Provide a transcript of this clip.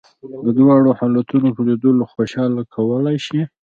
د دواړو حالتونو په لیدلو خوشالي کولای شې.